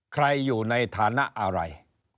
อยู่ในฐานะอะไร